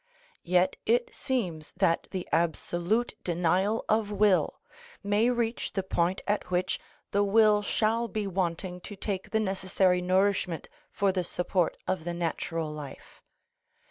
Yet it seems that the absolute denial of will may reach the point at which the will shall be wanting to take the necessary nourishment for the support of the natural life.